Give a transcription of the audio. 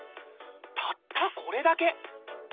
たったこれだけ！